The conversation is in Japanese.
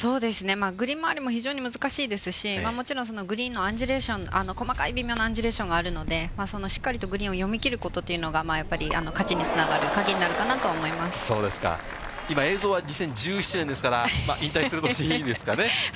グリーン周りも非常に難しいですし、もちろんそのグリーンのアンジュレーション、細かい微妙なアンジュレーションがあるので、そのしっかりとグリーンを読み切るということがやっぱり勝ちにつながる鍵になるかな今、映像は２０１７年ですから、引退する年ですかね。